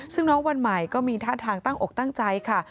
ซึ่งน้องวันใหม่ก็มีท่าทางตั้งอกตั้งใจค่ะ